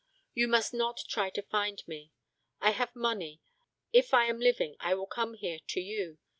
You must not try to find me. I have money. If I am living, I will come here to you.